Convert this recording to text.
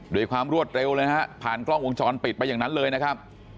โดยความรวดเร็วเลยฮะผ่านกล้องวงจรปิดไปอย่างนั้นเลยนะครับ